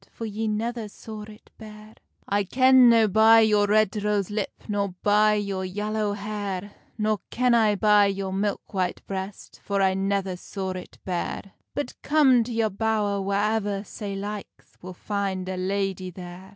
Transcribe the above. For ye never saw it bare?" "I ken no by your red rose lip, Nor by your yallow hair; Nor ken I by your milk white breast, For I never saw it bare; But, come to your bowr whaever sae likes, Will find a ladye there."